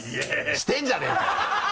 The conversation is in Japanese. してるじゃねぇかよ！